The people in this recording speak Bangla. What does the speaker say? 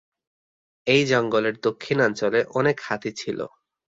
এই জঙ্গলের দক্ষিণাঞ্চলে অনেক হাতি ছিল।